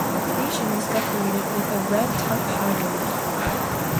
The station is decorated with a red tuff high relief.